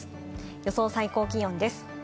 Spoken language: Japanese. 予想最高気温です。